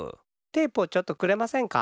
テープをちょっとくれませんか？